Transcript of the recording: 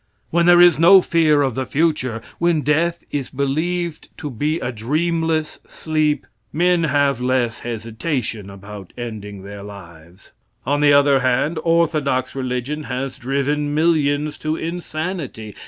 When there is no fear of the future, when death is believed to be a dreamless sleep, men have less hesitation about ending their lives. On the other hand, orthodox religion has driven millions to insanity.